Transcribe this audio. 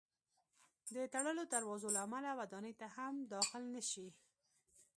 د تړلو دروازو له امله ودانۍ ته هم داخل نه شي.